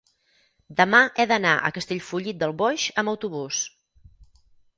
demà he d'anar a Castellfollit del Boix amb autobús.